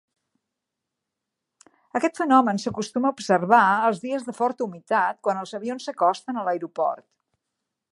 Aquest fenomen s'acostuma a observar els dies de forta humitat quan els avions s'acosten a l'aeroport.